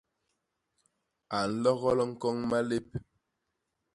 A nlogol ñkoñ malép.